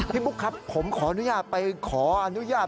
บุ๊คครับผมขออนุญาตไปขออนุญาต